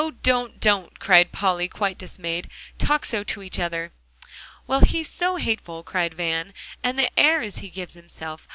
don't, don't," cried Polly, quite dismayed, "talk so to each other." "Well, he's so hateful," cried Van, "and the airs he gives himself!